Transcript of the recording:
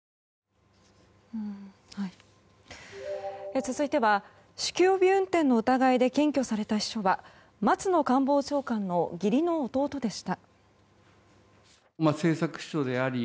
続いては酒気帯び運転の疑いで検挙された秘書は松野官房長官の義理の弟でした。